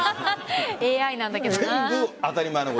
ＡＩなんだけどな。